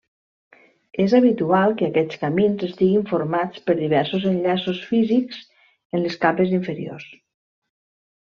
És habitual que aquests camins estiguin formats per diversos enllaços físics en les capes inferiors.